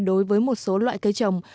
đối với một số loại cây trồng